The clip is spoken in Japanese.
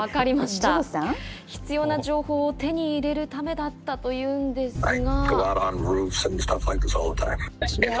必要な情報を手に入れるためだったというんですが。